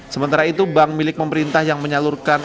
sementara itu bank milik pemerintah yang menyalurkan